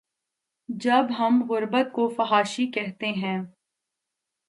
جب ہم غربت کو فحاشی کہتے ہیں۔